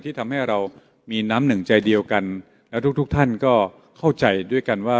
ทำให้เรามีน้ำหนึ่งใจเดียวกันแล้วทุกทุกท่านก็เข้าใจด้วยกันว่า